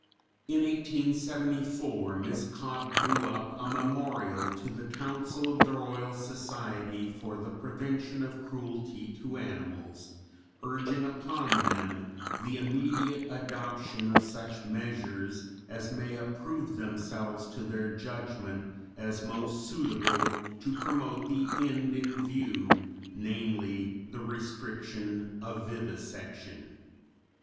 In 1874 Miss Cobbe drew up a memorial to the Council of the Royal Society for the prevention of cruelty to animals urging upon them "the immediate adoption of such measures as may approve themselves to their judgment as most suitable to promote the end in view, namely, the restriction of vivisection."